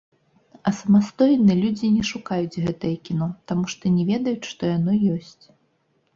А самастойна людзі не шукаюць гэтае кіно, таму што не ведаюць, што яно ёсць.